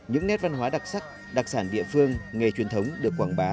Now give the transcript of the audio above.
những nét văn hóa đặc sắc đặc sản địa phương nghề truyền thống được quảng bá